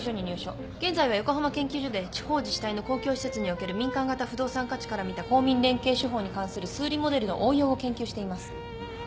現在は横浜研究所で地方自治体の公共施設における民間型不動産価値から見た公民連携手法に関する数理モデルの応用を研究しています。